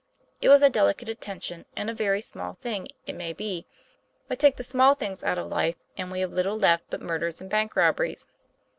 It was a delicate attention, and a very small thing, it may be, but take the small things out of life, and we have little left but murders and bank robberies.